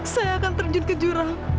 saya akan terjun ke jurang